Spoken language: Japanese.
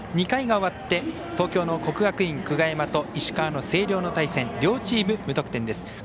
２回が終わって東京の国学院久我山と石川、星稜高校の対戦両チーム、無得点です。